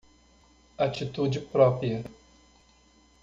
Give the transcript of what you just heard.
Atitude própria